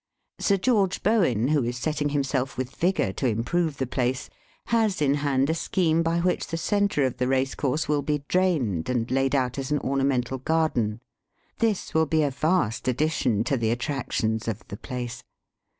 Sir George Bowen, who is setting himself with vigour to improve the j)lace, has in hand a scheme by which the centre of the racecourse will be drained and laid out as an ornamental garden. This will be a vast addition to the attractions of the place.